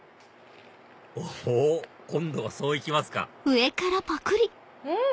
おお！今度はそういきますかうん！